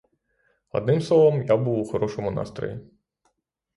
Одним словом, я був у хорошому настрої.